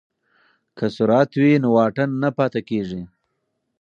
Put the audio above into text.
که سرعت وي نو واټن نه پاتې کیږي.